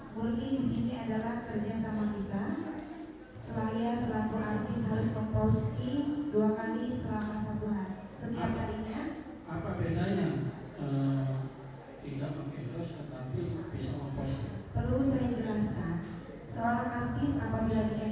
kemudian terkait dengan apakah saudara saksi pakna menanyakan setelah umrohkan fasilitas lebih dari yang biasanya